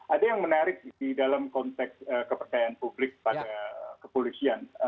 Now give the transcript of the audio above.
ada yang menarik di dalam konteks kepercayaan publik pada kepolisian